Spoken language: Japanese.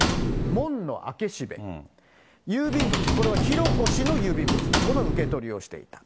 門の開け閉め、郵便物、これは浩子氏の郵便物、この受け取りをしていた。